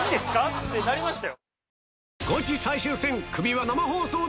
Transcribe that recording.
ってなりましたよ。